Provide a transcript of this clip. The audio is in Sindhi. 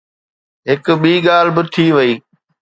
هڪ ٻي ڳالهه به ٿي وئي.